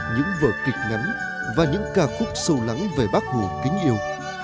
những vở kịch ngắn và những ca khúc sâu lắng về bác hồ kính yêu